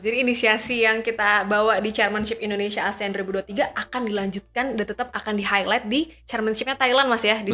jadi inisiasi yang kita bawa di chairmanship indonesia asean dua ribu dua puluh tiga akan dilanjutkan dan tetap akan di highlight di chairmanshipnya thailand mas ya